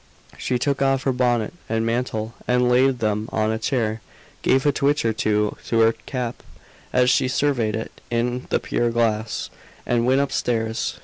She took off her bonnet and mantle, and laid them on a chair, gave a twitch or two to her cap, as she surveyed it in the pier glass, and went upstairs.